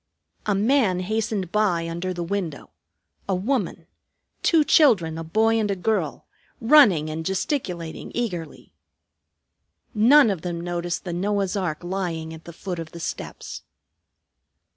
A man hastened by under the window; a woman; two children, a boy and a girl, running and gesticulating eagerly. None of them noticed the Noah's ark lying at the foot of the steps.